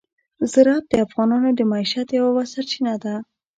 زراعت د افغانانو د معیشت یوه سرچینه ده.